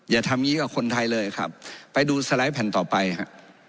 อย่าทำอย่างนี้กับคนไทยเลยครับไปดูสไลด์แผ่นต่อไปฮะ